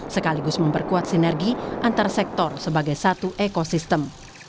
sekaligus memperkuat sinergi antar sektor sebagai satu ekosistem